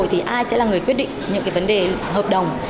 liệu khi bỏ biên chế rồi thì ai sẽ là người quyết định những vấn đề hợp đồng